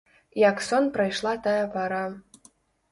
Як сон прайшла тая пара.